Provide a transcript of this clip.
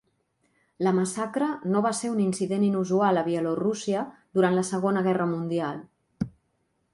La massacre no va ser un incident inusual a Bielorússia durant la Segona Guerra Mundial.